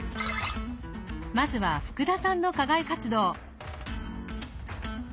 まずは福田さんの課外活動。